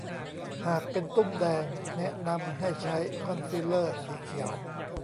หากเป็นตุ้มแดงแนะนำให้ใช้คอนซีลเลอร์สีเขียว